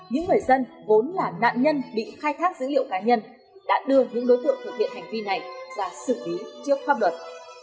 những người dân vốn là nạn nhân bị khai thác dữ liệu cá nhân đã đưa những đối tượng thực hiện hành vi này ra xử lý trước pháp luật